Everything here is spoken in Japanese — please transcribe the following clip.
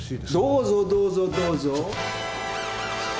どうぞどうぞどうぞ。